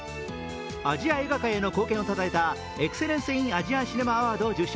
アジア映画界への貢献をたたえたエクセレンス・イン・アジアン・シネマ・アワードを受賞。